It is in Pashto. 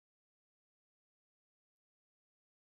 الیکین پخپل قفس کي دی مړ شوی